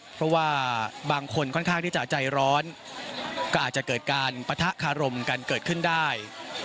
เพราะว่าบางคนค่อนข้างที่จะใจร้อนก็อาจจะเกิดการปะทะคารมกันเกิดขึ้นได้